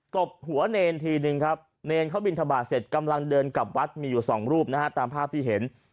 บหัวเนรทีนึงครับเนรเขาบินทบาทเสร็จกำลังเดินกลับวัดมีอยู่สองรูปนะฮะตามภาพที่เห็น